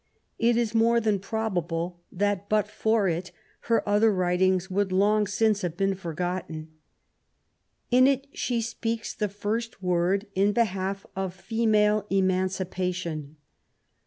It is more than probable that, but for it, her other writings would long since have been forgotten. In it she speaks the first word in behalf of female eman cipation.